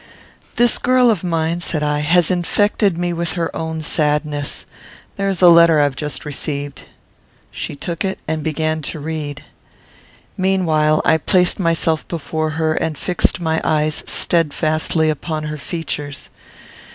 "This girl of mine," said I, "has infected me with her own sadness. There is a letter I have just received." She took it and began to read. Meanwhile, I placed myself before her, and fixed my eyes steadfastly upon her features.